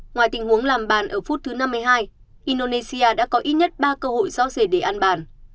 ngoài tình huống làm bàn ở phút thứ năm mươi hai indonesia đã có ít nhất ba cơ hội do dề để ăn bàn